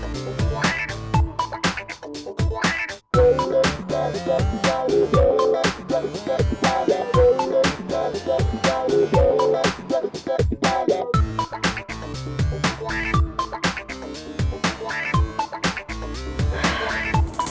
sampai ketemu lagi